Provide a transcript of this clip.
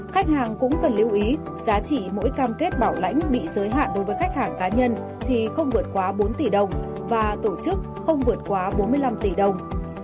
khách hàng cũng cần lưu ý giá trị mỗi cam kết bảo lãnh bị giới hạn đối với khách hàng cá nhân thì không vượt quá bốn tỷ đồng và tổ chức không vượt quá bốn mươi năm tỷ đồng